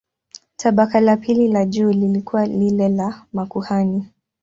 Tabaka la pili la juu lilikuwa lile la makuhani.